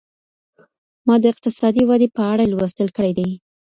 ما د اقتصادي ودي په اړه لوستل کړي دي.